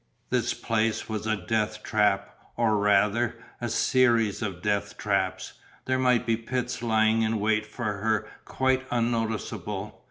This place was a death trap, or, rather, a series of death traps, there might be pits lying in wait for her quite unnoticeable.